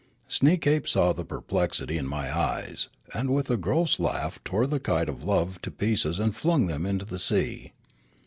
Sneekape saw the perplexity in my eyes, and with a gross laugh tore the kite of love to pieces and flung them into the sea.